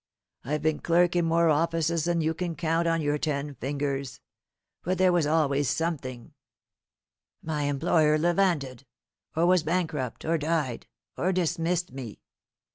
I've been clerk in more offices than you can count on your ten fingers; but there was always something my employer levanted, or was bankrupt, or died, or dismissed me.